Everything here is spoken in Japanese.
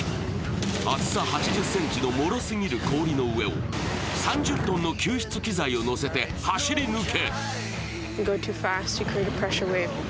厚さ８０ｃｍのもろすぎる氷の上を３０ｔの救出機材を載せて走り抜け。